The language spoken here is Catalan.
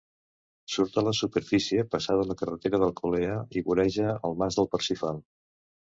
Surt a la superfície passada la carretera d'Alcolea i voreja el Mas del Parsifal.